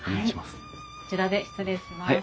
こちらで失礼します。